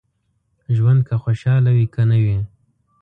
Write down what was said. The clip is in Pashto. ژوند که خوشاله وي که نه وي.